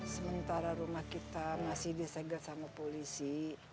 sementara rumah kita masih disegel sama polisi